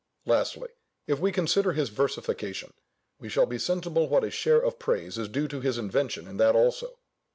Lastly, if we consider his versification, we shall be sensible what a share of praise is due to his invention in that also.